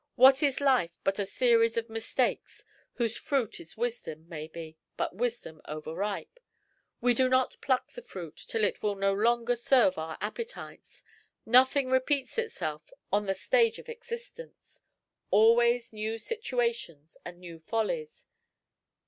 What is life but a series of mistakes, whose fruit is wisdom, maybe, but wisdom overripe? We do not pluck the fruit till it will no longer serve our appetites. Nothing repeats itself on the stage of existence always new situations and new follies.